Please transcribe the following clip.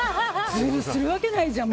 ずるするわけないじゃん。